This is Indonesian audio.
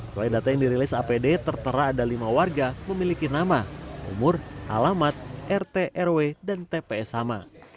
selain data yang dirilis apd tertera ada lima warga memiliki nama umur alamat rt rw dan tps sama